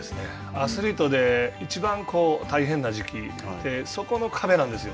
アスリートでいちばん大変な時期ってそこの壁なんですよ。